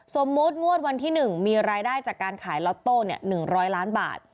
สมมุติงวดวันที่๑มีรายได้จากการขายล็อตโต้๑๐๐ล้านบาท